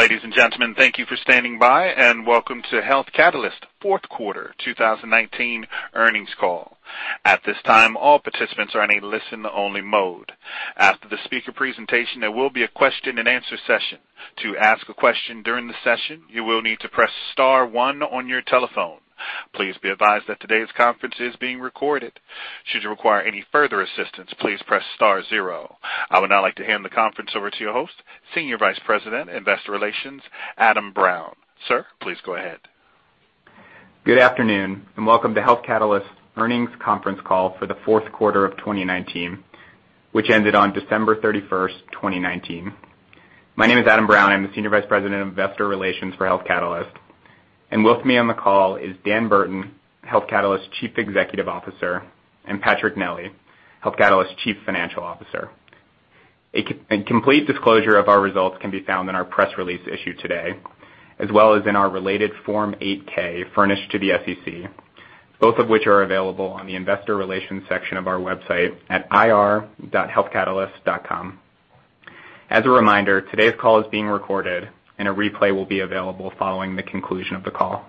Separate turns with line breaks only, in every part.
Ladies and gentlemen, thank you for standing by, and welcome to Health Catalyst's Q4 2019 earnings call. At this time, all participants are in a listen-only mode. After the speaker presentation, there will be a question-and-answer session. To ask a question during the session, you will need to press star one on your telephone. Please be advised that today's conference is being recorded. Should you require any further assistance, please press star zero. I would now like to hand the conference over to your host, Senior Vice President, Investor Relations, Adam Brown. Sir, please go ahead.
Good afternoon, and welcome to Health Catalyst's earnings conference call for the Q4 of 2019, which ended on December 31st, 2019. My name is Adam Brown. I'm the Senior Vice President of Investor Relations for Health Catalyst. With me on the call is Dan Burton, Health Catalyst's Chief Executive Officer, and Patrick Nelli, Health Catalyst's Chief Financial Officer. A complete disclosure of our results can be found in our press release issued today, as well as in our related Form 8-K furnished to the SEC, both of which are available on the investor relations section of our website at ir.healthcatalyst.com. As a reminder, today's call is being recorded, and a replay will be available following the conclusion of the call.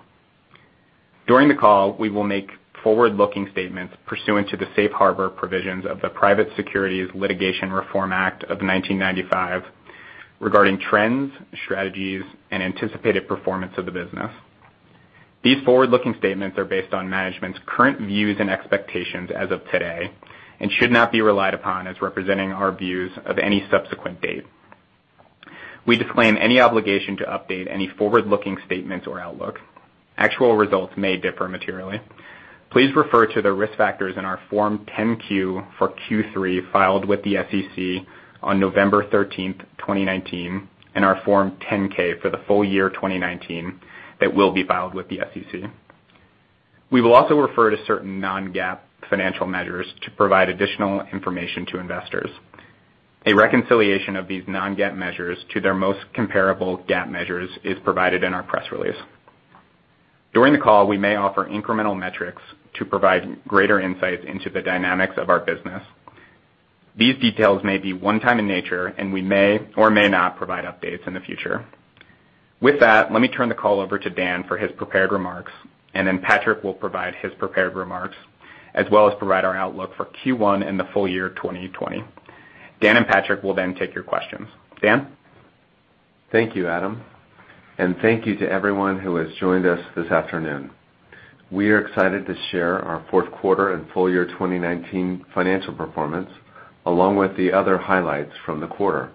During the call, we will make forward-looking statements pursuant to the Safe Harbor provisions of the Private Securities Litigation Reform Act of 1995 regarding trends, strategies, and anticipated performance of the business. These forward-looking statements are based on management's current views and expectations as of today and should not be relied upon as representing our views of any subsequent date. We disclaim any obligation to update any forward-looking statements or outlook. Actual results may differ materially. Please refer to the risk factors in our Form 10-Q for Q3 filed with the SEC on November 13th, 2019, and our Form 10-K for the full-year 2019 that will be filed with the SEC. We will also refer to certain non-GAAP financial measures to provide additional information to investors. A reconciliation of these non-GAAP measures to their most comparable GAAP measures is provided in our press release. During the call, we may offer incremental metrics to provide greater insights into the dynamics of our business. These details may be one-time in nature, and we may or may not provide updates in the future. With that, let me turn the call over to Dan for his prepared remarks, and then Patrick will provide his prepared remarks as well as provide our outlook for Q1 and the full-year 2020. Dan and Patrick will then take your questions. Dan?
Thank you, Adam. Thank you to everyone who has joined us this afternoon. We are excited to share our Q4 and full-year 2019 financial performance, along with the other highlights from the quarter.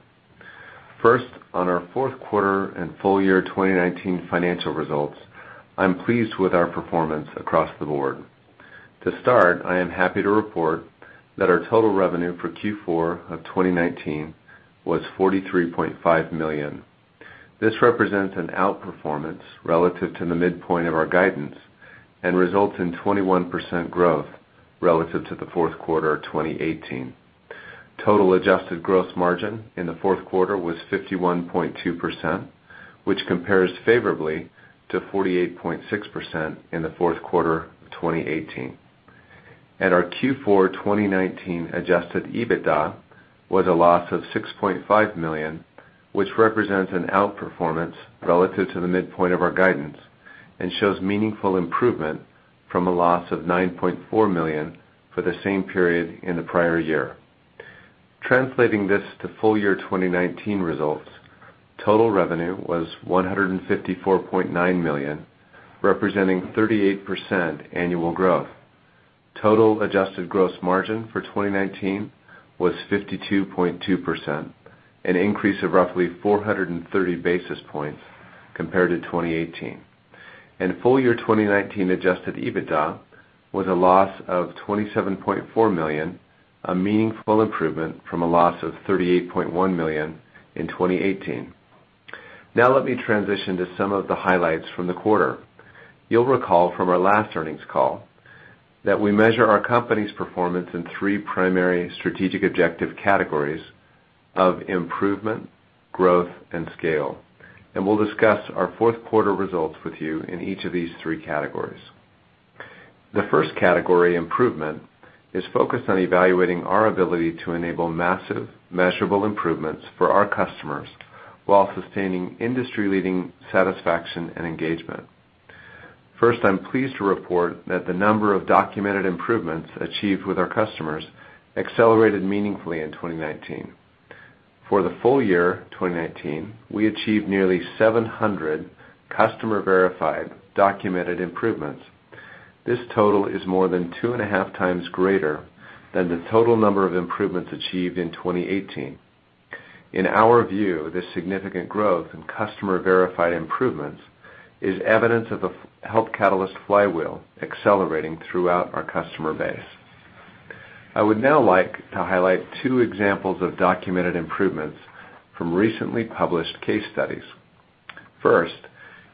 First, on our Q4 and full-year 2019 financial results, I'm pleased with our performance across the board. To start, I am happy to report that our total revenue for Q4 of 2019 was $43.5 million. This represents an outperformance relative to the midpoint of our guidance and results in 21% growth relative to the Q4 of 2018. Total adjusted gross margin in the Q4 was 51.2%, which compares favorably to 48.6% in the Q4 of 2018. Our Q4 2019 Adjusted EBITDA was a loss of $6.5 million, which represents an outperformance relative to the midpoint of our guidance and shows meaningful improvement from a loss of $9.4 million for the same period in the prior year. Translating this to full-year 2019 results, total revenue was $154.9 million, representing 38% annual growth. Total Adjusted gross margin for 2019 was 52.2%, an increase of roughly 430 basis points compared to 2018. Full-year 2019 Adjusted EBITDA was a loss of $27.4 million, a meaningful improvement from a loss of $38.1 million in 2018. Let me transition to some of the highlights from the quarter. You'll recall from our last earnings call that we measure our company's performance in three primary strategic objective categories of improvement, growth, and scale. We'll discuss our Q4 results with you in each of these three categories. The first category, improvement, is focused on evaluating our ability to enable massive measurable improvements for our customers while sustaining industry-leading satisfaction and engagement. First, I'm pleased to report that the number of documented improvements achieved with our customers accelerated meaningfully in 2019. For the full-year 2019, we achieved nearly 700 customer-verified documented improvements. This total is more than 2.5x Greater than the total number of improvements achieved in 2018. In our view, this significant growth in customer-verified improvements is evidence of the Health Catalyst flywheel accelerating throughout our customer base. I would now like to highlight two examples of documented improvements from recently published case studies. First,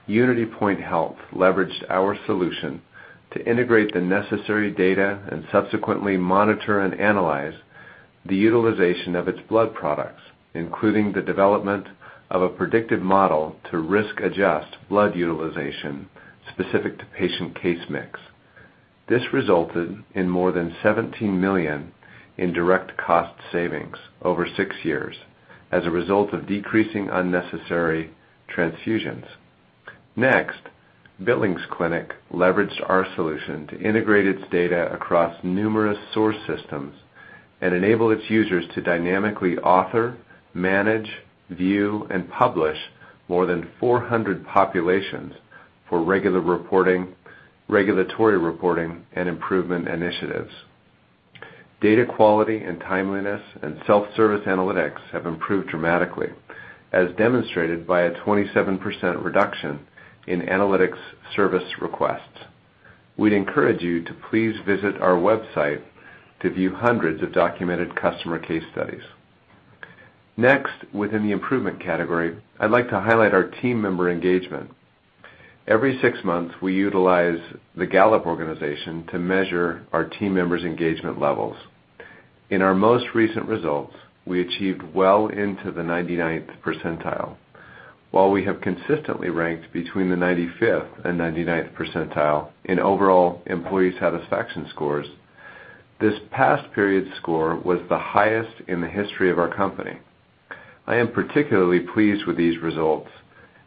UnityPoint Health leveraged our solution to integrate the necessary data and subsequently monitor and analyze the utilization of its blood products, including the development of a predictive model to risk adjust blood utilization specific to patient case mix. This resulted in more than $17 million in direct cost savings over six years as a result of decreasing unnecessary transfusions. Next, Billings Clinic leveraged our solution to integrate its data across numerous source systems and enable its users to dynamically author, manage, view, and publish more than 400 populations for regulatory reporting and improvement initiatives. Data quality and timeliness and self-service analytics have improved dramatically, as demonstrated by a 27% reduction in analytics service requests. We'd encourage you to please visit our website to view hundreds of documented customer case studies. Next, within the improvement category, I'd like to highlight our team member engagement. Every six months, we utilize the Gallup Organization to measure our team members' engagement levels. In our most recent results, we achieved well into the 99th percentile. While we have consistently ranked between the 95th and 99th percentile in overall employee satisfaction scores, this past period score was the highest in the history of our company. I am particularly pleased with these results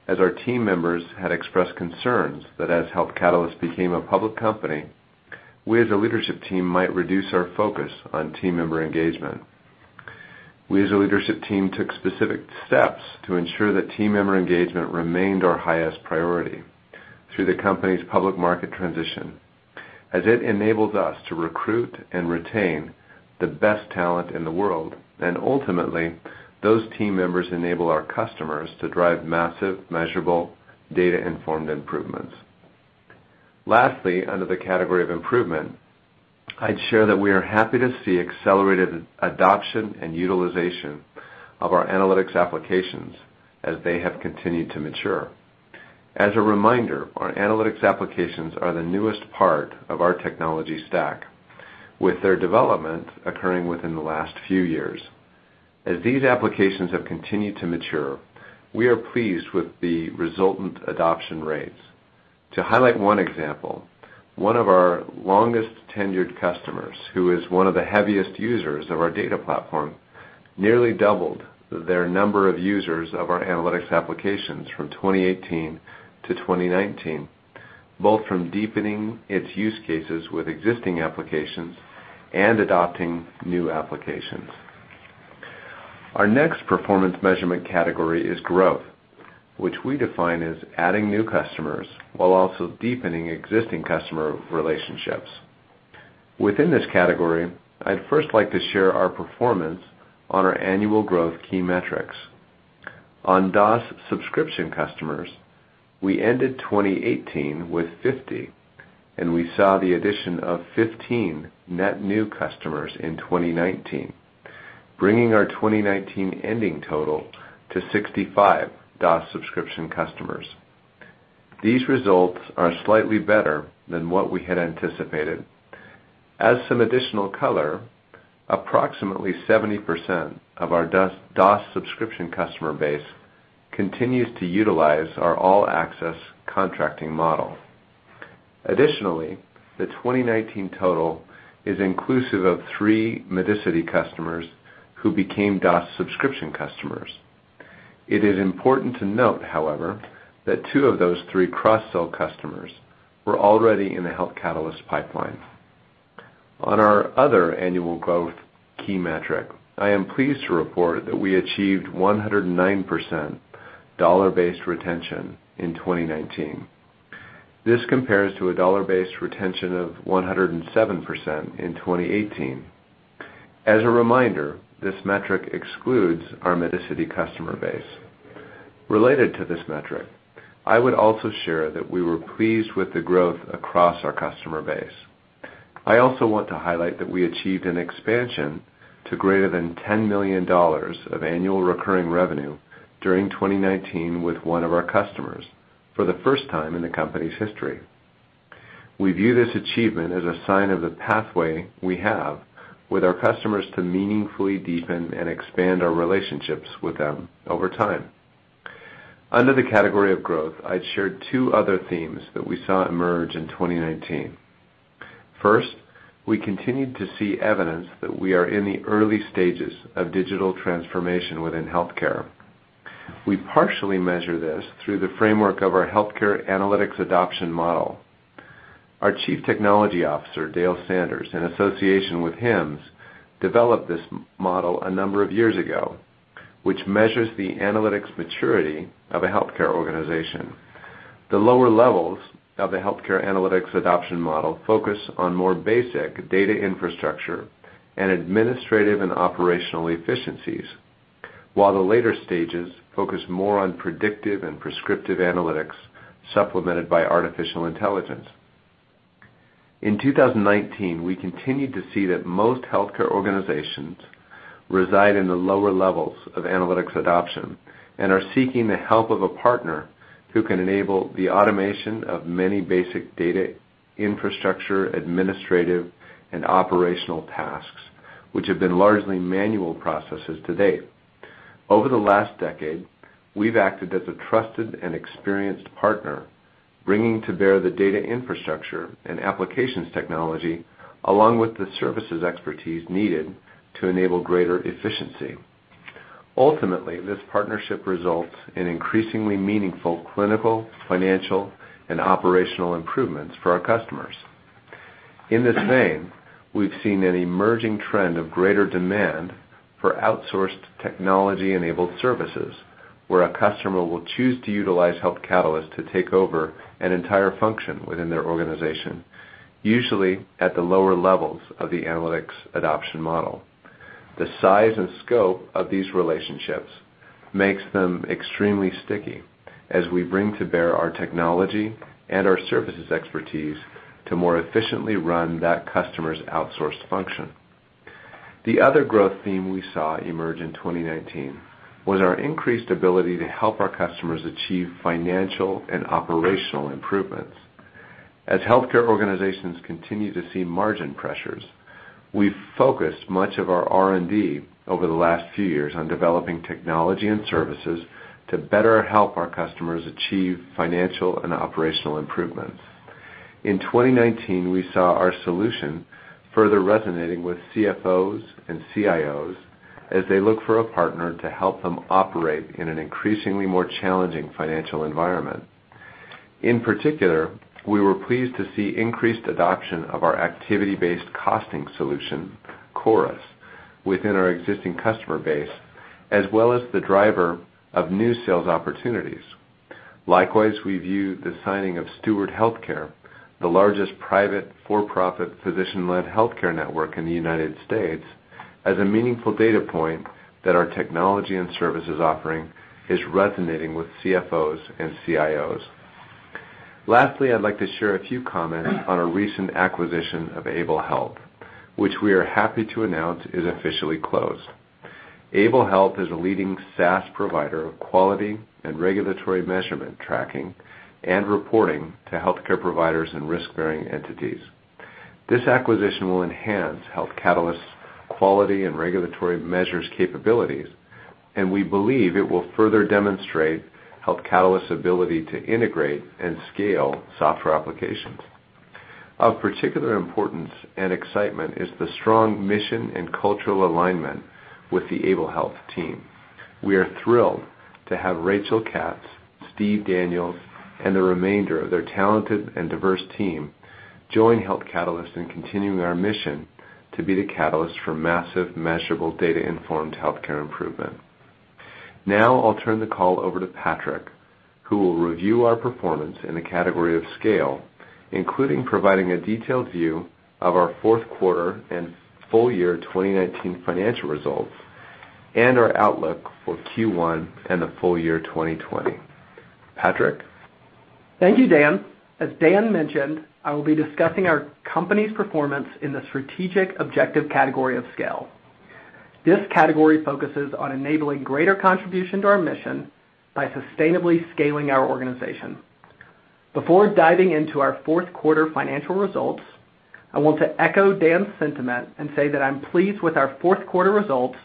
as our team members had expressed concerns that as Health Catalyst became a public company, we as a leadership team might reduce our focus on team member engagement. We as a leadership team took specific steps to ensure that team member engagement remained our highest priority through the company's public market transition, as it enables us to recruit and retain the best talent in the world. Ultimately, those team members enable our customers to drive massive, measurable, data-informed improvements. Lastly, under the category of improvement, I'd share that we are happy to see accelerated adoption and utilization of our analytics applications as they have continued to mature. As a reminder, our analytics applications are the newest part of our technology stack, with their development occurring within the last few years. As these applications have continued to mature, we are pleased with the resultant adoption rates. To highlight one example, one of our longest-tenured customers, who is one of the heaviest users of our data platform, nearly doubled their number of users of our analytics applications from 2018 to 2019, both from deepening its use cases with existing applications and adopting new applications. Our next performance measurement category is growth, which we define as adding new customers while also deepening existing customer relationships. Within this category, I'd first like to share our performance on our annual growth key metrics. On DaaS subscription customers, we ended 2018 with 50, and we saw the addition of 15 net new customers in 2019, bringing our 2019 ending total to 65 DaaS subscription customers. These results are slightly better than what we had anticipated. As some additional color, approximately 70% of our DaaS subscription customer base continues to utilize our all-access contracting model. Additionally, the 2019 total is inclusive of three Medicity customers who became DaaS subscription customers. It is important to note, however, that two of those three cross-sell customers were already in the Health Catalyst pipeline. On our other annual growth key metric, I am pleased to report that we achieved 109% dollar-based retention in 2019. This compares to a dollar-based retention of 107% in 2018. As a reminder, this metric excludes our Medicity customer base. Related to this metric, I would also share that we were pleased with the growth across our customer base. I also want to highlight that we achieved an expansion to greater than $10 million of annual recurring revenue during 2019 with one of our customers for the first time in the company's history. We view this achievement as a sign of the pathway we have with our customers to meaningfully deepen and expand our relationships with them over time. Under the category of growth, I'd share two other themes that we saw emerge in 2019. First, we continued to see evidence that we are in the early stages of digital transformation within healthcare. We partially measure this through the framework of our Healthcare Analytics Adoption Model. Our Chief Technology Officer, Dale Sanders, in association with HIMSS, developed this model a number of years ago, which measures the analytics maturity of a healthcare organization. The lower levels of the Healthcare Analytics Adoption Model focus on more basic data infrastructure and administrative and operational efficiencies, while the later stages focus more on predictive and prescriptive analytics, supplemented by artificial intelligence. In 2019, we continued to see that most healthcare organizations reside in the lower levels of analytics adoption and are seeking the help of a partner who can enable the automation of many basic data infrastructure, administrative, and operational tasks, which have been largely manual processes to date. Over the last decade, we've acted as a trusted and experienced partner, bringing to bear the data infrastructure and applications technology, along with the services expertise needed to enable greater efficiency. Ultimately, this partnership results in increasingly meaningful clinical, financial, and operational improvements for our customers. In this vein, we've seen an emerging trend of greater demand for outsourced technology-enabled services, where a customer will choose to utilize Health Catalyst to take over an entire function within their organization, usually at the lower levels of the Healthcare Analytics Adoption Model. The size and scope of these relationships makes them extremely sticky as we bring to bear our technology and our services expertise to more efficiently run that customer's outsourced function. The other growth theme we saw emerge in 2019 was our increased ability to help our customers achieve financial and operational improvements. As healthcare organizations continue to see margin pressures, we've focused much of our R&D over the last few years on developing technology and services to better help our customers achieve financial and operational improvements. In 2019, we saw our solution further resonating with CFOs and CIOs as they look for a partner to help them operate in an increasingly more challenging financial environment. In particular, we were pleased to see increased adoption of our activity-based costing solution, PowerCosting, within our existing customer base, as well as the driver of new sales opportunities. Likewise, we view the signing of Steward Health Care, the largest private for-profit physician-led healthcare network in the U.S., as a meaningful data point that our technology and services offering is resonating with CFOs and CIOs. Lastly, I'd like to share a few comments on our recent acquisition of Able Health, which we are happy to announce is officially closed. Able Health is a leading SaaS provider of quality and regulatory measurement tracking and reporting to healthcare providers and risk-bearing entities. This acquisition will enhance Health Catalyst's quality and regulatory measures capabilities, and we believe it will further demonstrate Health Catalyst's ability to integrate and scale software applications. Of particular importance and excitement is the strong mission and cultural alignment with the Able Health team. We are thrilled to have Rachel Katz, Steve Daniels, and the remainder of their talented and diverse team join Health Catalyst in continuing our mission to be the catalyst for massive, measurable, data-informed healthcare improvement. Now, I'll turn the call over to Patrick, who will review our performance in the category of scale, including providing a detailed view of our Q4 and full-year 2019 financial results and our outlook for Q1 and the full-year 2020. Patrick?
Thank you, Dan. As Dan mentioned, I will be discussing our company's performance in the strategic objective category of scale. This category focuses on enabling greater contribution to our mission by sustainably scaling our organization. Before diving into our Q4 financial results, I want to echo Dan's sentiment and say that I'm pleased with our Q4 results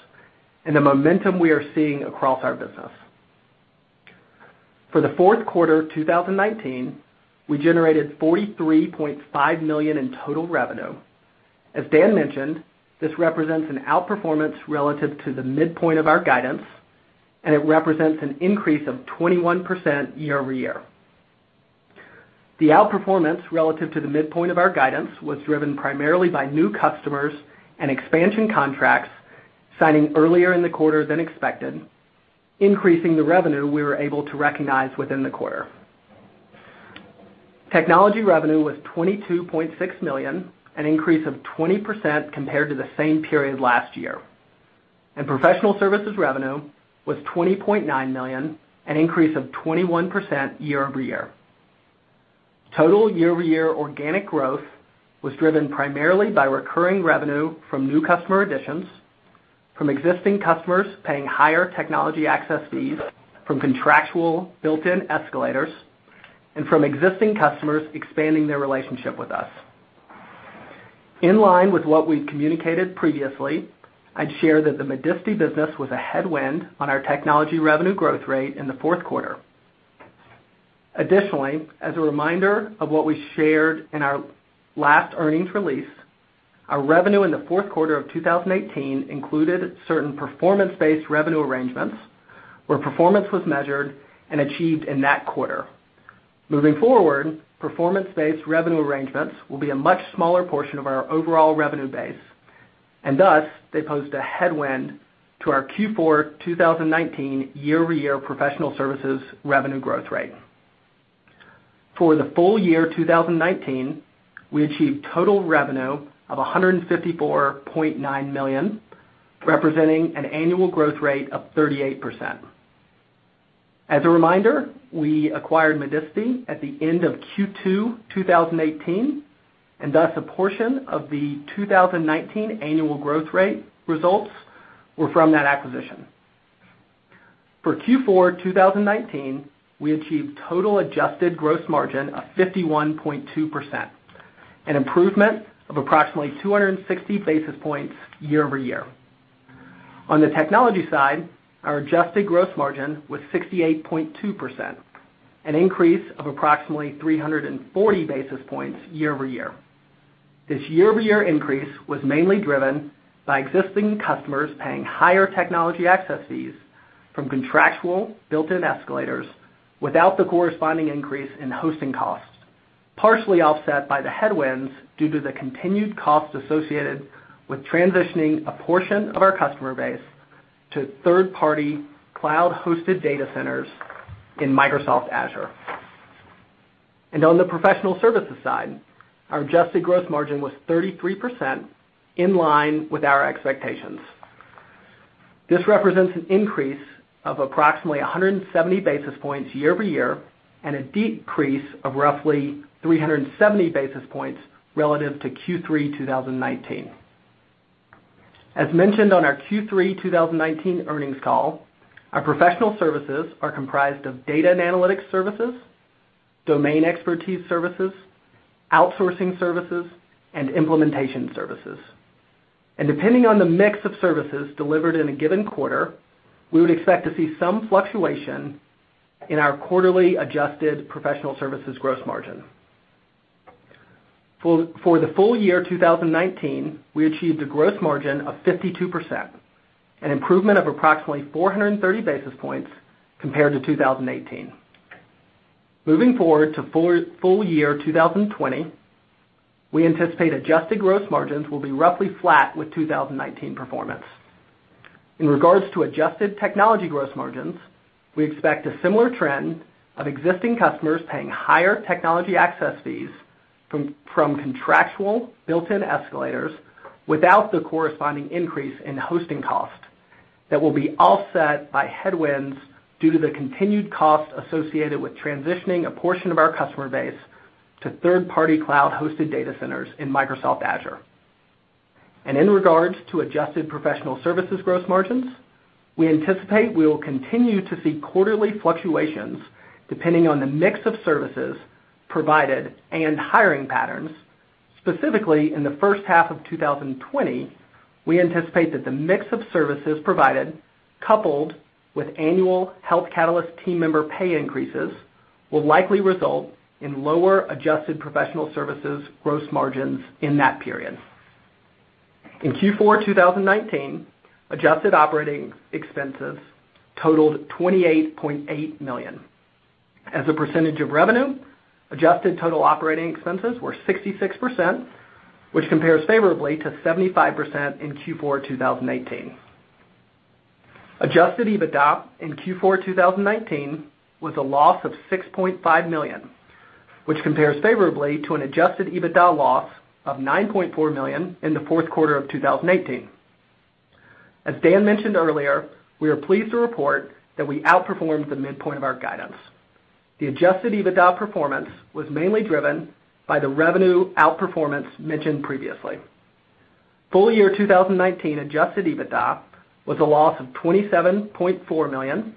and the momentum we are seeing across our business. For the Q4 2019, we generated $43.5 million in total revenue. As Dan mentioned, this represents an outperformance relative to the midpoint of our guidance, and it represents an increase of 21% year-over-year. The outperformance relative to the midpoint of our guidance was driven primarily by new customers and expansion contracts signing earlier in the quarter than expected, increasing the revenue we were able to recognize within the quarter. Technology revenue was $22.6 million, an increase of 20% compared to the same period last year, and professional services revenue was $20.9 million, an increase of 21% year-over-year. Total year-over-year organic growth was driven primarily by recurring revenue from new customer additions, from existing customers paying higher technology access fees, from contractual built-in escalators, and from existing customers expanding their relationship with us. In line with what we've communicated previously, I'd share that the Medicity business was a headwind on our technology revenue growth rate in the Q4. Additionally, as a reminder of what we shared in our last earnings release, our revenue in the Q4 of 2018 included certain performance-based revenue arrangements where performance was measured and achieved in that quarter. Moving forward, performance-based revenue arrangements will be a much smaller portion of our overall revenue base, thus, they posed a headwind to our Q4 2019 year-over-year professional services revenue growth rate. For the full-year 2019, we achieved total revenue of $154.9 million, representing an annual growth rate of 38%. As a reminder, we acquired Medicity at the end of Q2 2018, thus, a portion of the 2019 annual growth rate results were from that acquisition. For Q4 2019, we achieved total adjusted gross margin of 51.2%. An improvement of approximately 260 basis points year-over-year. On the technology side, our adjusted gross margin was 68.2%, an increase of approximately 340 basis points year-over-year. This year-over-year increase was mainly driven by existing customers paying higher technology access fees from contractual built-in escalators without the corresponding increase in hosting costs, partially offset by the headwinds due to the continued costs associated with transitioning a portion of our customer base to third-party cloud-hosted data centers in Microsoft Azure. On the professional services side, our adjusted gross margin was 33%, in line with our expectations. This represents an increase of approximately 170 basis points year-over-year and a decrease of roughly 370 basis points relative to Q3 2019. As mentioned on our Q3 2019 earnings call, our professional services are comprised of data and analytics services, domain expertise services, outsourcing services, and implementation services. Depending on the mix of services delivered in a given quarter, we would expect to see some fluctuation in our quarterly adjusted professional services gross margin. For the full-year 2019, we achieved a gross margin of 52%, an improvement of approximately 430 basis points compared to 2018. Moving forward to full-year 2020, we anticipate adjusted gross margins will be roughly flat with 2019 performance. In regards to adjusted technology gross margins, we expect a similar trend of existing customers paying higher technology access fees from contractual built-in escalators without the corresponding increase in hosting cost that will be offset by headwinds due to the continued cost associated with transitioning a portion of our customer base to third-party cloud-hosted data centers in Microsoft Azure. In regards to adjusted professional services gross margins, we anticipate we will continue to see quarterly fluctuations depending on the mix of services provided and hiring patterns. Specifically, in the H1 of 2020, we anticipate that the mix of services provided, coupled with annual Health Catalyst team member pay increases, will likely result in lower Adjusted Professional Services gross margins in that period. In Q4 2019, adjusted operating expenses totaled $28.8 million. As a percentage of revenue, adjusted total operating expenses were 66%, which compares favorably to 75% in Q4 2018. Adjusted EBITDA in Q4 2019 was a loss of $6.5 million, which compares favorably to an Adjusted EBITDA loss of $9.4 million in the Q4 of 2018. As Dan mentioned earlier, we are pleased to report that we outperformed the midpoint of our guidance. The Adjusted EBITDA performance was mainly driven by the revenue outperformance mentioned previously. Full-year 2019 Adjusted EBITDA was a loss of $27.4 million,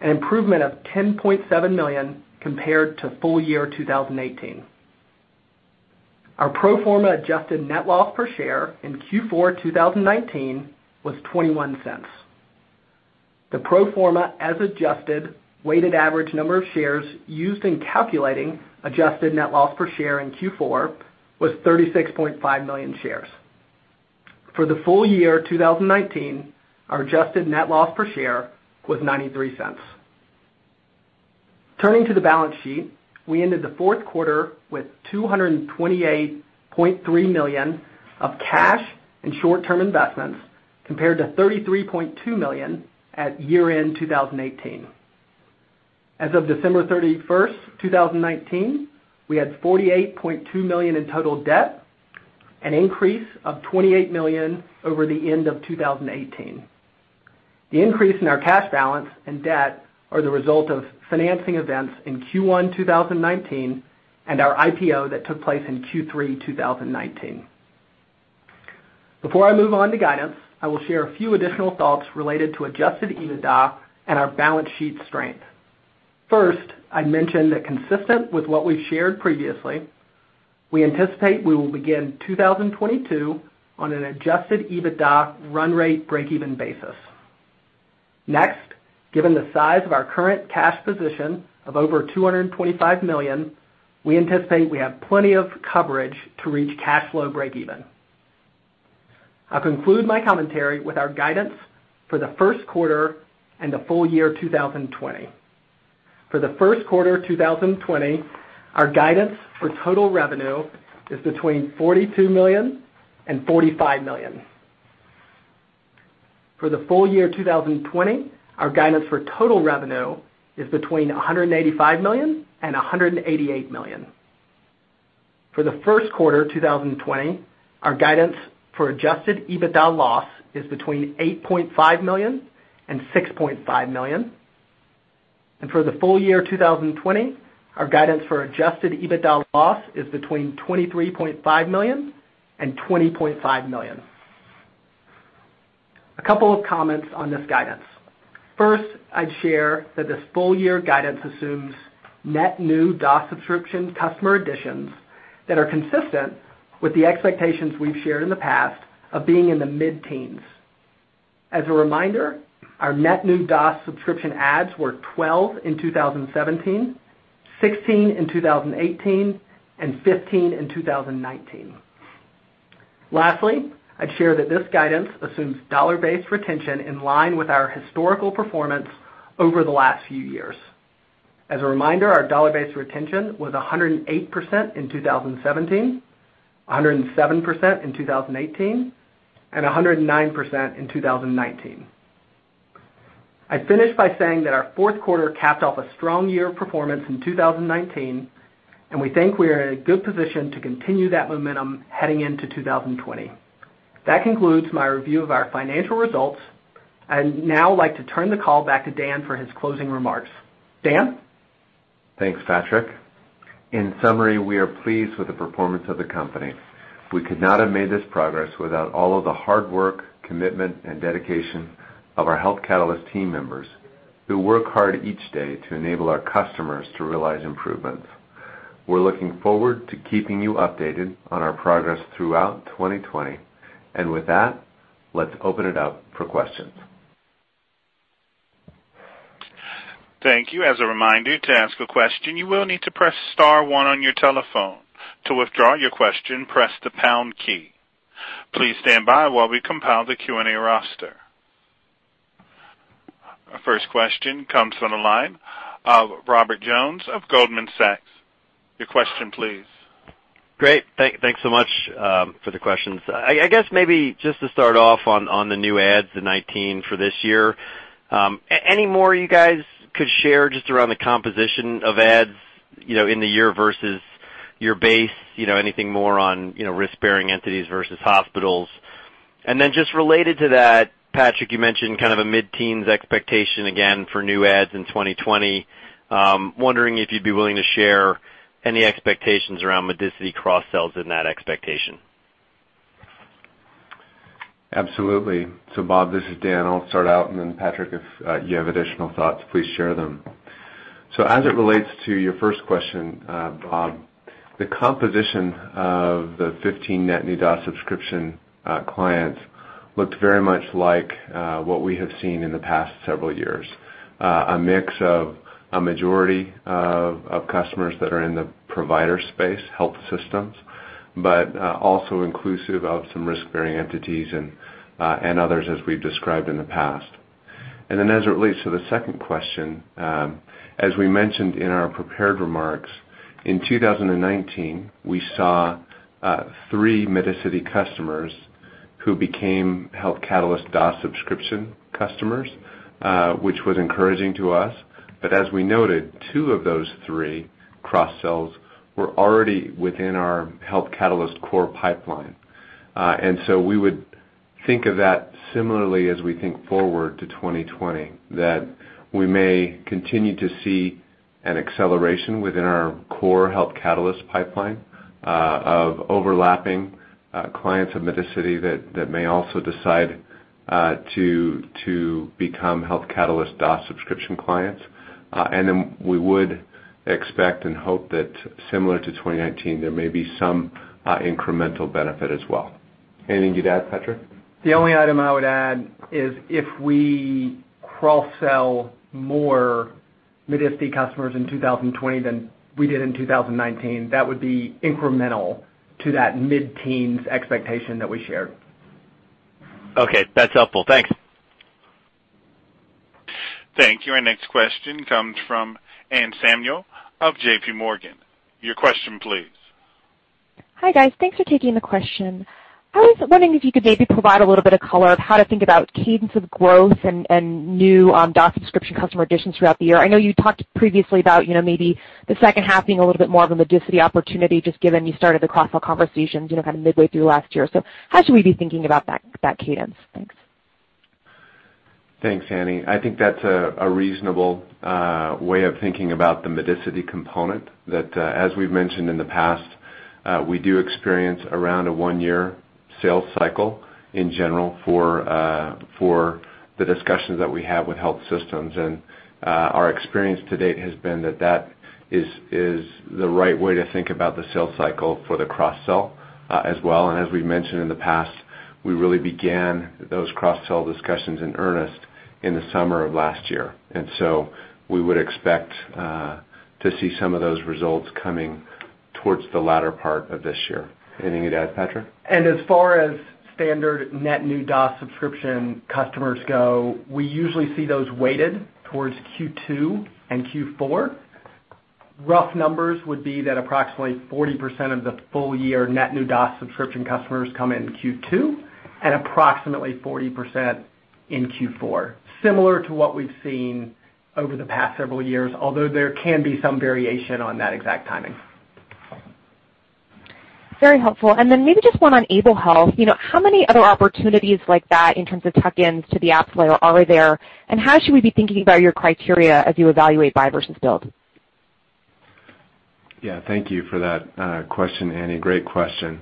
an improvement of $10.7 million compared to full-year 2018. Our pro forma adjusted net loss per share in Q4 2019 was $0.21. The pro forma as adjusted weighted average number of shares used in calculating adjusted net loss per share in Q4 was 36.5 million shares. For the full-year 2019, our adjusted net loss per share was $0.93. Turning to the balance sheet, we ended the Q4 with $228.3 million of cash and short-term investments, compared to $33.2 million at year-end 2018. As of December 31st, 2019, we had $48.2 million in total debt, an increase of $28 million over the end of 2018. The increase in our cash balance and debt are the result of financing events in Q1 2019 and our IPO that took place in Q3 2019. Before I move on to guidance, I will share a few additional thoughts related to adjusted EBITDA and our balance sheet strength. First, I'd mention that consistent with what we've shared previously, we anticipate we will begin 2022 on an Adjusted EBITDA run rate breakeven basis. Next, given the size of our current cash position of over $225 million, we anticipate we have plenty of coverage to reach cash flow breakeven. I'll conclude my commentary with our guidance for the Q1 and the full-year 2020. For the Q1 2020, our guidance for total revenue is between $42 million and $45 million. For the full-year 2020, our guidance for total revenue is between $185 million and $188 million. For the Q1 2020, our guidance for Adjusted EBITDA loss is between $8.5 million and $6.5 million. For the full-year 2020, our guidance for Adjusted EBITDA loss is between $23.5 million and $20.5 million. A couple of comments on this guidance. First, I'd share that this full-year guidance assumes net new DaaS subscription customer additions that are consistent with the expectations we've shared in the past of being in the mid-teens. As a reminder, our net new DaaS subscription adds were 12 in 2017, 16 in 2018, and 15 in 2019. Lastly, I'd share that this guidance assumes dollar-based retention in line with our historical performance over the last few years. As a reminder, our dollar-based retention was 108% in 2017, 107% in 2018, and 109% in 2019. I finish by saying that our Q4 capped off a strong year of performance in 2019, and we think we are in a good position to continue that momentum heading into 2020. That concludes my review of our financial results. I'd now like to turn the call back to Dan for his closing remarks. Dan?
Thanks, Patrick. In summary, we are pleased with the performance of the company. We could not have made this progress without all of the hard work, commitment, and dedication of our Health Catalyst team members, who work hard each day to enable our customers to realize improvements. We're looking forward to keeping you updated on our progress throughout 2020. With that, let's open it up for questions.
Thank you. As a reminder, to ask a question, you will need to press star one on your telephone. To withdraw your question, press the pound key. Please stand by while we compile the Q&A roster. Our first question comes from the line of Robert Jones of Goldman Sachs. Your question please.
Great. Thanks so much for the questions. I guess maybe just to start off on the new adds in 2019 for this year. Any more you guys could share just around the composition of adds in the year versus your base? Anything more on risk-bearing entities versus hospitals? Just related to that, Patrick, you mentioned a mid-teens expectation again for new adds in 2020. I'm wondering if you'd be willing to share any expectations around Medicity cross-sells in that expectation.
Absolutely. Bob, this is Dan. I'll start out, and then Patrick, if you have additional thoughts, please share them. As it relates to your first question, Bob, the composition of the 15 net new DaaS subscription clients looked very much like what we have seen in the past several years. A mix of a majority of customers that are in the provider space, health systems, but also inclusive of some risk-bearing entities and others as we've described in the past. As it relates to the second question, as we mentioned in our prepared remarks, in 2019, we saw three Medicity customers who became Health Catalyst DaaS subscription customers, which was encouraging to us. As we noted, two of those three cross-sells were already within our Health Catalyst core pipeline. We would think of that similarly as we think forward to 2020, that we may continue to see an acceleration within our core Health Catalyst pipeline of overlapping clients of Medicity that may also decide to become Health Catalyst DaaS subscription clients. We would expect and hope that similar to 2019, there may be some incremental benefit as well. Anything you'd add, Patrick?
The only item I would add is if we cross-sell more Medicity customers in 2020 than we did in 2019, that would be incremental to that mid-teens expectation that we shared.
Okay, that's helpful. Thanks.
Thank you. Our next question comes from Anne Samuel of JPMorgan. Your question please.
Hi, guys. Thanks for taking the question. I was wondering if you could maybe provide a little bit of color of how to think about cadence of growth and new DaaS subscription customer additions throughout the year. I know you talked previously about maybe the H2 being a little bit more of a Medicity opportunity, just given you started the cross-sell conversations midway through last year. How should we be thinking about that cadence? Thanks.
Thanks, Anne. I think that's a reasonable way of thinking about the Medicity component that, as we've mentioned in the past, we do experience around a one-year sales cycle in general for the discussions that we have with health systems. Our experience to date has been that that is the right way to think about the sales cycle for the cross-sell as well. As we've mentioned in the past, we really began those cross-sell discussions in earnest in the summer of last year. So we would expect to see some of those results coming towards the latter part of this year. Anything you'd add, Patrick?
As far as standard net new DaaS subscription customers go, we usually see those weighted towards Q2 and Q4. Rough numbers would be that approximately 40% of the full-year net new DaaS subscription customers come in Q2 and approximately 40% in Q4. Similar to what we've seen over the past several years, although there can be some variation on that exact timing.
Very helpful. Maybe just one on Able Health. How many other opportunities like that in terms of tuck-ins to the apps layer are there, and how should we be thinking about your criteria as you evaluate buy versus build?
Yeah. Thank you for that question, Annie. Great question.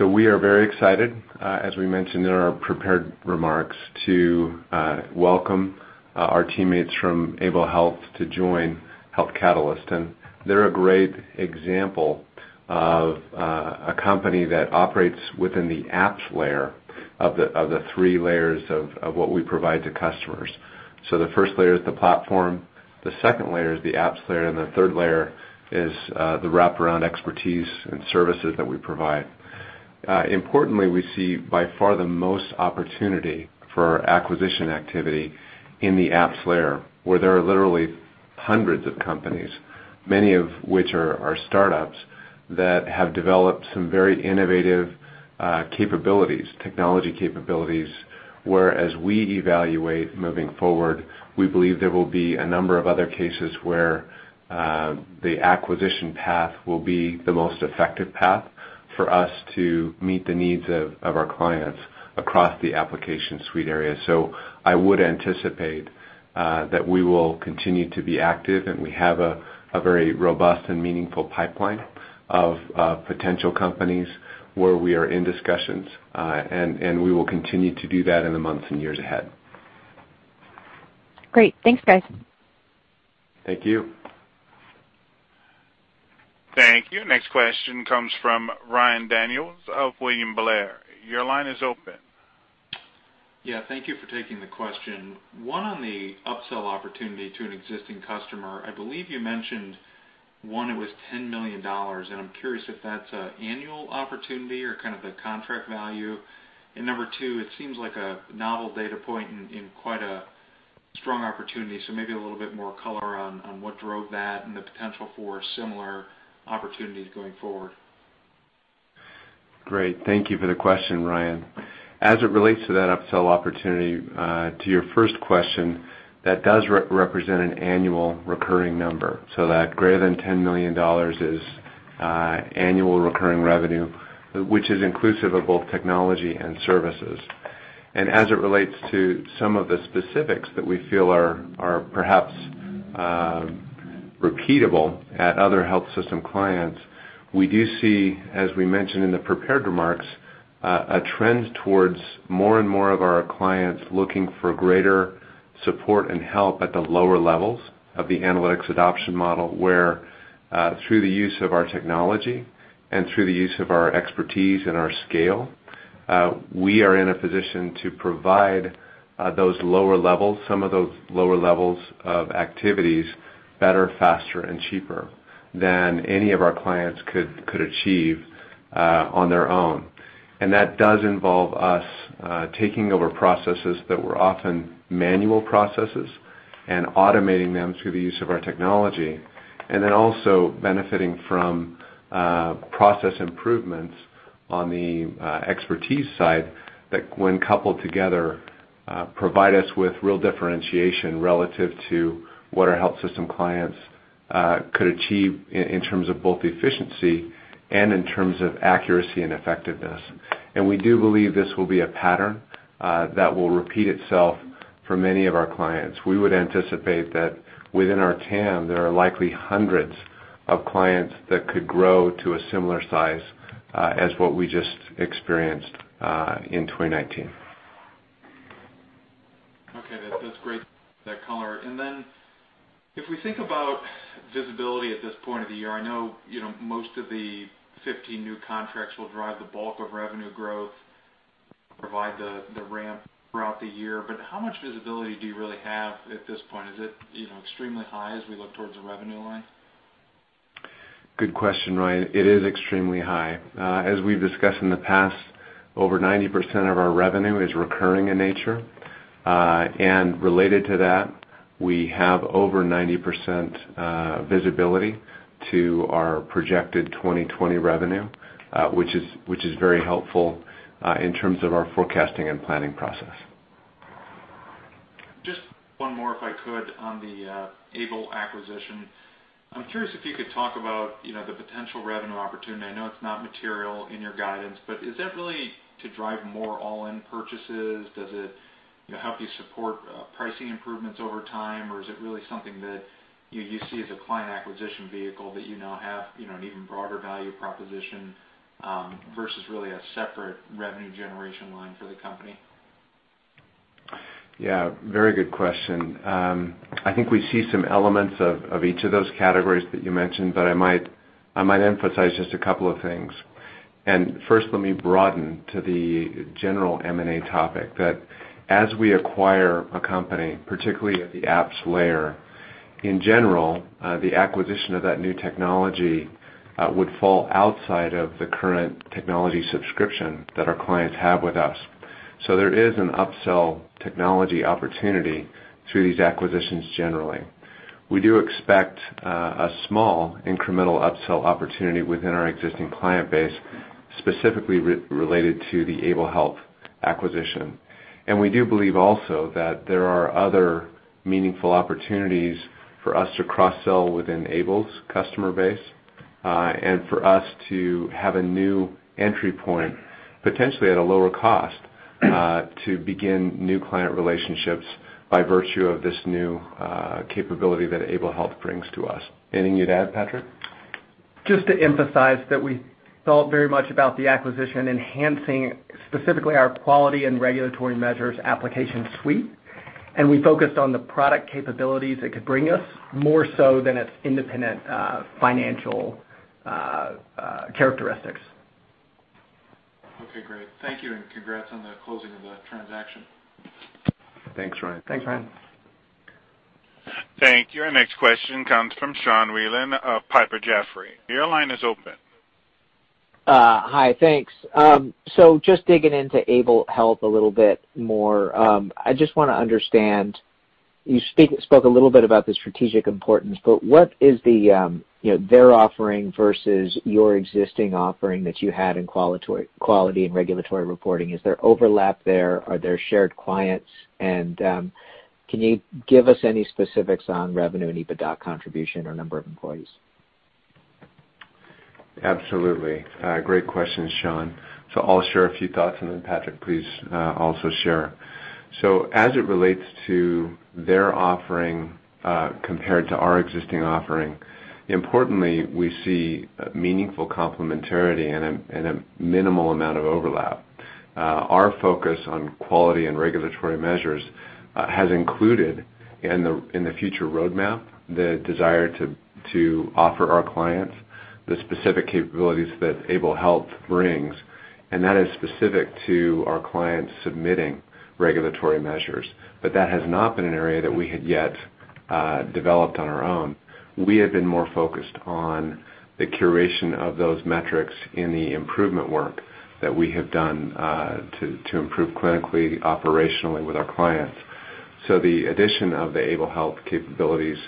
We are very excited, as we mentioned in our prepared remarks, to welcome our teammates from Able Health to join Health Catalyst. They're a great example of a company that operates within the apps layer of the three layers of what we provide to customers. The first layer is the platform, the second layer is the apps layer, and the third layer is the wraparound expertise and services that we provide. Importantly, we see by far the most opportunity for acquisition activity in the apps layer, where there are literally hundreds of companies, many of which are startups that have developed some very innovative capabilities, technology capabilities, where as we evaluate moving forward, we believe there will be a number of other cases where the acquisition path will be the most effective path for us to meet the needs of our clients across the application suite area. I would anticipate that we will continue to be active, and we have a very robust and meaningful pipeline of potential companies where we are in discussions. We will continue to do that in the months and years ahead.
Great. Thanks, guys.
Thank you.
Thank you. Next question comes from Ryan Daniels of William Blair. Your line is open.
Yeah. Thank you for taking the question. One on the upsell opportunity to an existing customer. I believe you mentioned, one, it was $10 million, and I'm curious if that's an annual opportunity or kind of the contract value. Number two, it seems like a novel data point and quite a strong opportunity. Maybe a little bit more color on what drove that and the potential for similar opportunities going forward.
Great. Thank you for the question, Ryan. As it relates to that upsell opportunity, to your first question, that does represent an annual recurring number. That greater than $10 million is annual recurring revenue, which is inclusive of both technology and services. As it relates to some of the specifics that we feel are perhaps repeatable at other health system clients, we do see, as we mentioned in the prepared remarks, a trend towards more and more of our clients looking for greater support and help at the lower levels of the Healthcare Analytics Adoption Model, where through the use of our technology and through the use of our expertise and our scale, we are in a position to provide some of those lower levels of activities better, faster, and cheaper than any of our clients could achieve on their own. That does involve us taking over processes that were often manual processes and automating them through the use of our technology. Then also benefiting from process improvements on the expertise side that when coupled together, provide us with real differentiation relative to what our health system clients could achieve in terms of both efficiency and in terms of accuracy and effectiveness. We do believe this will be a pattern that will repeat itself for many of our clients. We would anticipate that within our TAM, there are likely hundreds of clients that could grow to a similar size as what we just experienced in 2019.
Okay. That's great, that color. If we think about visibility at this point of the year, I know most of the 15 new contracts will drive the bulk of revenue growth, provide the ramp throughout the year. How much visibility do you really have at this point? Is it extremely high as we look towards the revenue line?
Good question, Ryan. It is extremely high. As we've discussed in the past, over 90% of our revenue is recurring in nature. Related to that, we have over 90% visibility to our projected 2020 revenue, which is very helpful in terms of our forecasting and planning process.
Just one more, if I could, on the Able acquisition. I'm curious if you could talk about the potential revenue opportunity. I know it's not material in your guidance, is that really to drive more all-in purchases? Does it help you support pricing improvements over time? Is it really something that you see as a client acquisition vehicle that you now have an even broader value proposition, versus really a separate revenue generation line for the company?
Yeah. Very good question. I think we see some elements of each of those categories that you mentioned, but I might emphasize just a couple of things. First, let me broaden to the general M&A topic, that as we acquire a company, particularly at the apps layer, in general, the acquisition of that new technology would fall outside of the current technology subscription that our clients have with us. There is an upsell technology opportunity through these acquisitions generally. We do expect a small incremental upsell opportunity within our existing client base, specifically related to the Able Health acquisition. We do believe also that there are other meaningful opportunities for us to cross-sell within Able's customer base, and for us to have a new entry point, potentially at a lower cost to begin new client relationships by virtue of this new capability that Able Health brings to us. Anything you'd add, Patrick?
Just to emphasize that we felt very much about the acquisition enhancing specifically our quality and regulatory measures application suite, and we focused on the product capabilities it could bring us more so than its independent financial characteristics.
Okay, great. Thank you. Congrats on the closing of the transaction.
Thanks, Ryan.
Thanks, Ryan.
Thank you. Our next question comes from Sean Wieland of Piper Sandler. Your line is open.
Hi, thanks. Just digging into Able Health a little bit more, I just want to understand, you spoke a little bit about the strategic importance, but what is their offering versus your existing offering that you had in quality and regulatory reporting? Is there overlap there? Are there shared clients? Can you give us any specifics on revenue and EBITDA contribution or number of employees?
Absolutely. Great question, Sean. I'll share a few thoughts, and then Patrick, please also share. As it relates to their offering, compared to our existing offering, importantly, we see meaningful complementarity and a minimal amount of overlap. Our focus on quality and regulatory measures has included in the future roadmap, the desire to offer our clients the specific capabilities that Able Health brings, and that is specific to our clients submitting regulatory measures. That has not been an area that we had yet developed on our own. We have been more focused on the curation of those metrics in the improvement work that we have done to improve clinically, operationally with our clients. The addition of the Able Health capabilities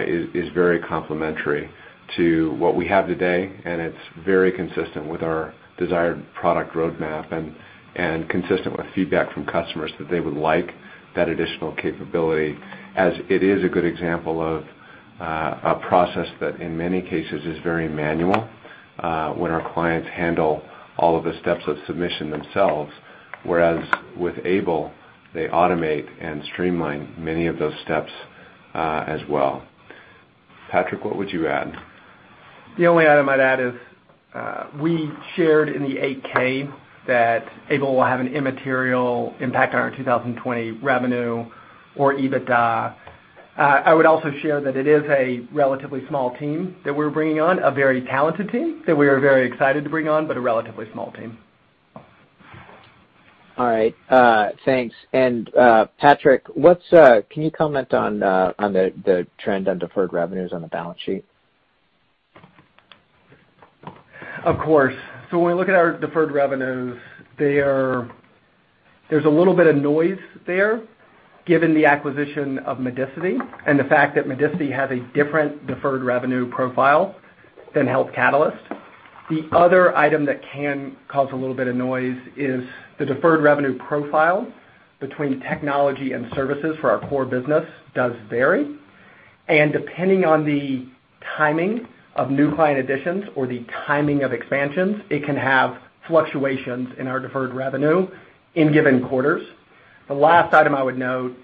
is very complementary to what we have today, and it's very consistent with our desired product roadmap and consistent with feedback from customers that they would like that additional capability, as it is a good example of a process that in many cases is very manual, when our clients handle all of the steps of submission themselves, whereas with Able, they automate and streamline many of those steps as well. Patrick, what would you add?
The only item I'd add is, we shared in the 8-K that Able will have an immaterial impact on our 2020 revenue or EBITDA. I would also share that it is a relatively small team that we're bringing on, a very talented team that we are very excited to bring on, but a relatively small team.
All right. Thanks. Patrick, can you comment on the trend on deferred revenues on the balance sheet?
Of course. When we look at our deferred revenues, there's a little bit of noise there given the acquisition of Medicity and the fact that Medicity has a different deferred revenue profile than Health Catalyst. The other item that can cause a little bit of noise is the deferred revenue profile between technology and services for our core business does vary. Depending on the timing of new client additions or the timing of expansions, it can have fluctuations in our deferred revenue in given quarters. The last item I would note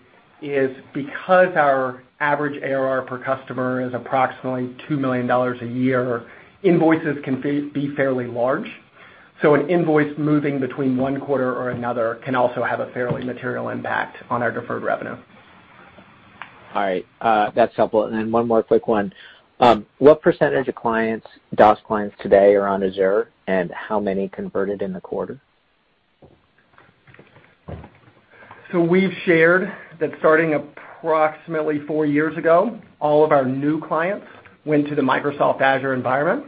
is because our average ARR per customer is approximately $2 million a year, invoices can be fairly large. An invoice moving between one quarter or another can also have a fairly material impact on our deferred revenue.
All right. That's helpful. One more quick one. What percentage of clients, DaaS clients today are on Azure, and how many converted in the quarter?
We've shared that starting approximately four years ago, all of our new clients went to the Microsoft Azure environment,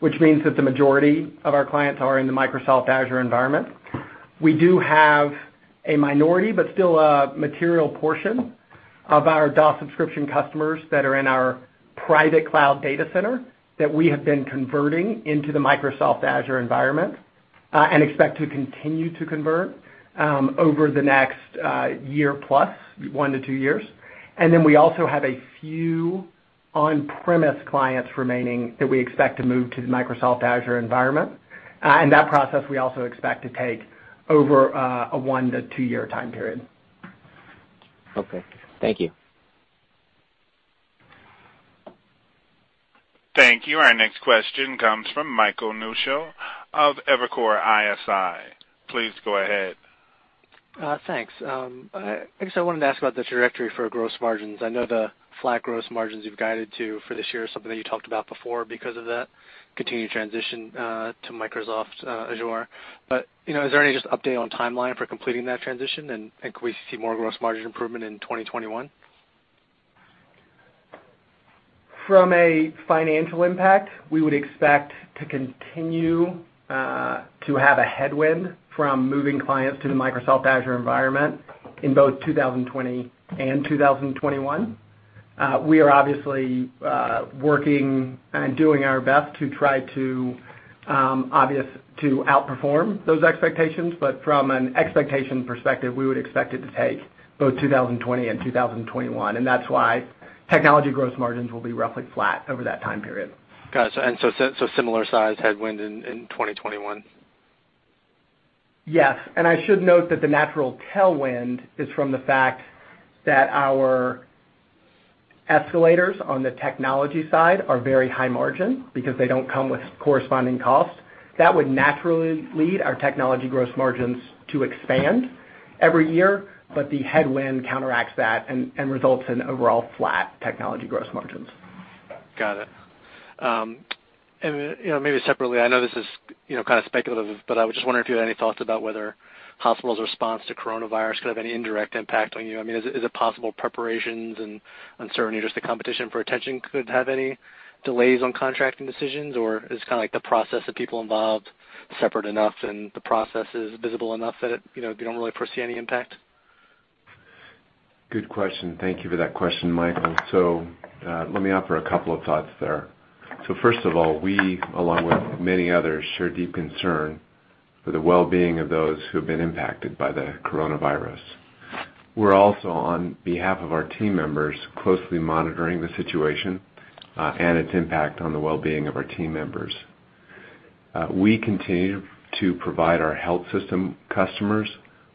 which means that the majority of our clients are in the Microsoft Azure environment. We do have a minority, but still a material portion of our DaaS subscription customers that are in our private cloud data center that we have been converting into the Microsoft Azure environment, and expect to continue to convert over the next year plus, one to two years. We also have a few on-premise clients remaining that we expect to move to the Microsoft Azure environment. That process we also expect to take over a one to two year time period.
Okay. Thank you.
Thank you. Our next question comes from Michael Newshel of Evercore ISI. Please go ahead.
Thanks. I guess I wanted to ask about the trajectory for gross margins. I know the flat gross margins you've guided to for this year is something that you talked about before because of that continued transition to Microsoft Azure. Is there any just update on timeline for completing that transition? Can we see more gross margin improvement in 2021?
From a financial impact, we would expect to continue to have a headwind from moving clients to the Microsoft Azure environment in both 2020 and 2021. We are obviously working and doing our best to try to outperform those expectations. From an expectation perspective, we would expect it to take both 2020 and 2021. That's why technology growth margins will be roughly flat over that time period.
Got it. Similar size headwind in 2021?
Yes. I should note that the natural tailwind is from the fact that our escalators on the technology side are very high margin because they don't come with corresponding cost. That would naturally lead our technology growth margins to expand every year. The headwind counteracts that and results in overall flat technology growth margins.
Got it. Maybe separately, I know this is kind of speculative, but I was just wondering if you had any thoughts about whether hospitals' response to coronavirus could have any indirect impact on you. Is it possible preparations and uncertainty, just the competition for attention, could have any delays on contracting decisions? Is it the process of people involved separate enough and the process is visible enough that you don't really foresee any impact?
Good question. Thank you for that question, Michael. Let me offer a couple of thoughts there. First of all, we, along with many others, share deep concern for the well-being of those who have been impacted by the coronavirus. We're also, on behalf of our team members, closely monitoring the situation, and its impact on the well-being of our team members. We continue to provide our health system customers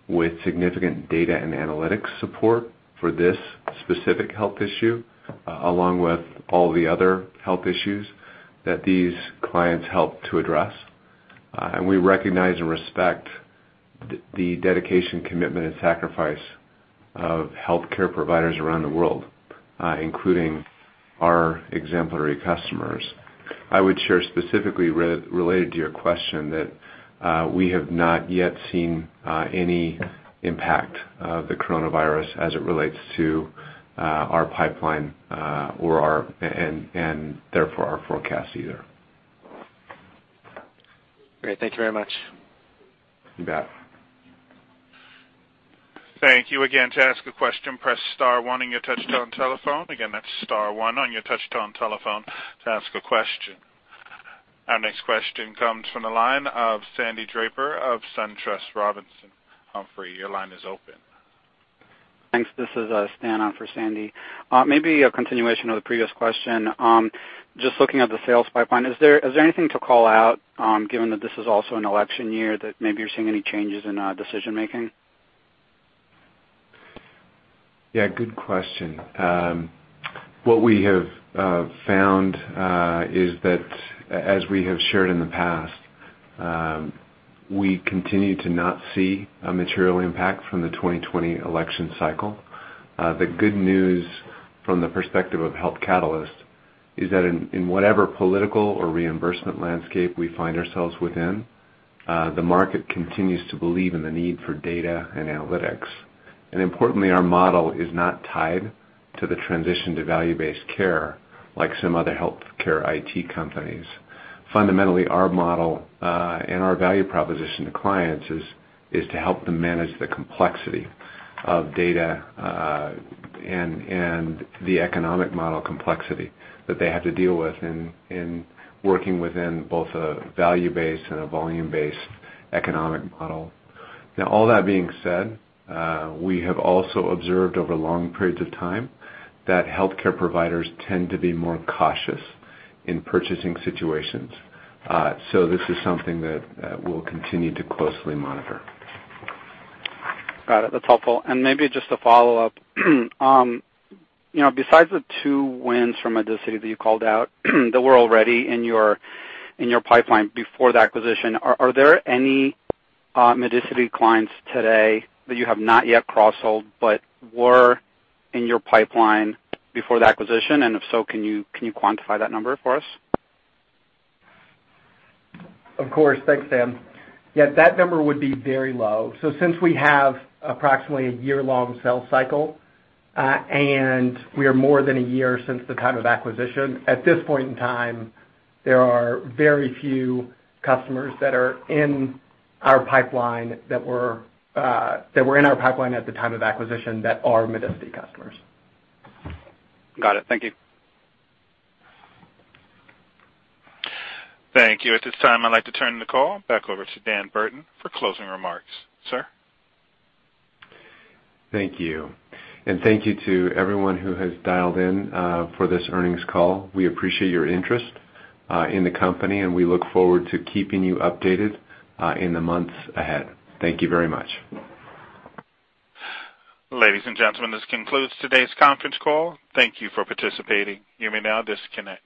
with significant data and analytics support for this specific health issue, along with all the other health issues that these clients help to address. We recognize and respect the dedication, commitment, and sacrifice of healthcare providers around the world, including our exemplary customers. I would share specifically related to your question that we have not yet seen any impact of the coronavirus as it relates to our pipeline and therefore our forecast either.
Great. Thank you very much.
You bet.
Thank you. Again, to ask a question, press star one on your touch-tone telephone. Again, that's star one on your touch-tone telephone to ask a question. Our next question comes from the line of Sandy Draper of SunTrust Robinson Humphrey. Your line is open.
Thanks. This is Stan on for Sandy. Maybe a continuation of the previous question. Just looking at the sales pipeline, is there anything to call out, given that this is also an election year, that maybe you're seeing any changes in decision making?
Yeah, good question. What we have found is that, as we have shared in the past, we continue to not see a material impact from the 2020 election cycle. The good news from the perspective of Health Catalyst is that in whatever political or reimbursement landscape we find ourselves within, the market continues to believe in the need for data and analytics. Importantly, our model is not tied to the transition to value-based care like some other healthcare IT companies. Fundamentally, our model and our value proposition to clients is to help them manage the complexity of data and the economic model complexity that they have to deal with in working within both a value-based and a volume-based economic model. All that being said, we have also observed over long periods of time that healthcare providers tend to be more cautious in purchasing situations. This is something that we'll continue to closely monitor.
Got it. That's helpful. Maybe just to follow up, besides the two wins from Medicity that you called out that were already in your pipeline before the acquisition, are there any Medicity clients today that you have not yet cross-sold but were in your pipeline before the acquisition? If so, can you quantify that number for us?
Of course. Thanks, Stan. Yeah, that number would be very low. Since we have approximately a year-long sales cycle, and we are more than a year since the time of acquisition, at this point in time, there are very few customers that are in our pipeline that were in our pipeline at the time of acquisition that are Medicity customers.
Got it. Thank you.
Thank you. At this time, I'd like to turn the call back over to Dan Burton for closing remarks. Sir?
Thank you. Thank you to everyone who has dialed in for this earnings call. We appreciate your interest in the company, and we look forward to keeping you updated in the months ahead. Thank you very much.
Ladies and gentlemen, this concludes today's conference call. Thank you for participating. You may now disconnect.